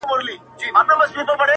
زه به منګی په لپو ورو ورو ډکومه،